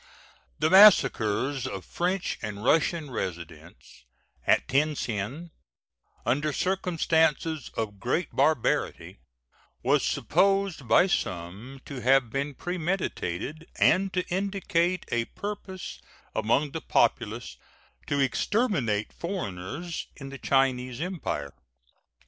The massacres of French and Russian residents at Tien Tsin, under circumstances of great barbarity, was supposed by some to have been premeditated, and to indicate a purpose among the populace to exterminate foreigners in the Chinese Empire.